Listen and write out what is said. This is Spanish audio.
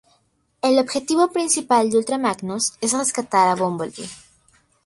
El objetivo principal de Ultra Magnus es rescatar a Bumblebee.